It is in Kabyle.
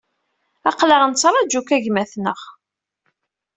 Aql-aɣ nettṛaju-k a gma-tneɣ